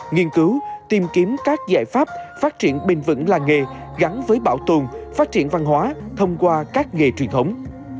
nghiên cứu tìm kiếm các giải pháp phát triển bền vững làng nghề gắn với bảo tồn phát triển văn hóa thông qua các nghề truyền thống